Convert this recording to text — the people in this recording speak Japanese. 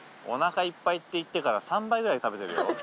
お腹いっぱいって言ってから３杯くらい食べてるよ。